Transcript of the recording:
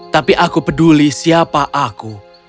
tapi aku peduli siapa aku